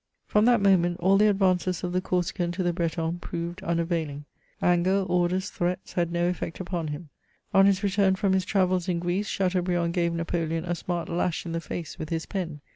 From that moment, all the advances of the Corsican to the Breton proved unavaiHi^. Anger, orders, threats, had no effect upon him. On his return from his travels in Greece, Chateaubriand gave Napoleon a smart lash in the face with his pen.